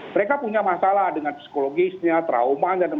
mereka punya masalah dengan psikologisnya trauma dan macam macam